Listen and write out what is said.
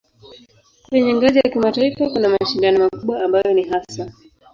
Kwenye ngazi ya kimataifa kuna mashindano makubwa ambayo ni hasa